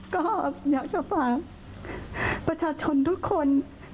ก็อยากจะฝากประชาชนทุกคน